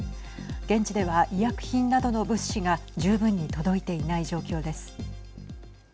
現地では医薬品などの物資が十分に届いていない状況です。